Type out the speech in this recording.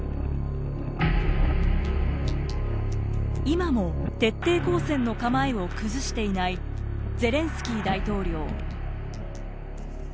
今も徹底抗戦の構えを崩していないゼレンスキー大統領。